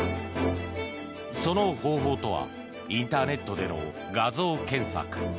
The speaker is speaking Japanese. その方法とはインターネットでの画像検索。